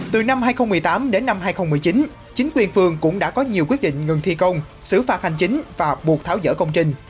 từ năm hai nghìn một mươi tám đến năm hai nghìn một mươi chín chính quyền phường cũng đã có nhiều quyết định ngừng thi công xử phạt hành chính và buộc tháo dỡ công trình